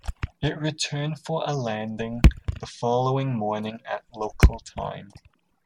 It returned for a landing the following morning at local time.